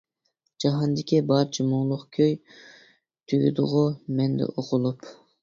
جاھاندىكى بارچە مۇڭلۇق كۈي، تۈگىدىغۇ مەندە ئوقۇلۇپ.